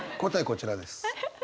こちらです。